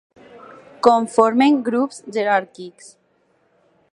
Conformen grups jeràrquics.